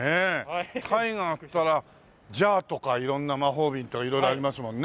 タイガーっつったらジャーとか色んな魔法瓶と色々ありますもんね。